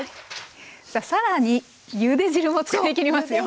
さあ更にゆで汁も使い切りますよ。